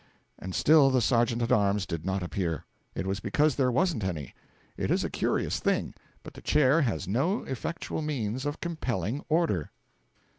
And still the sergeant at arms did not appear. It was because there wasn't any. It is a curious thing, but the Chair has no effectual means of compelling order.